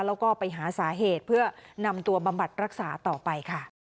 แล้วก็ไปหาสาเหตุเพื่อนำตัวบำบัดรักษาต่อไปค่ะ